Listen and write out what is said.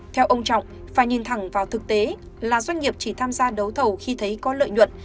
theo ông trọng phải nhìn thẳng vào thực tế là doanh nghiệp chỉ tham gia đấu thầu khi thấy có lợi nhuận